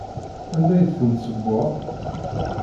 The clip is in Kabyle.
Anda i tent-tessewweḍ?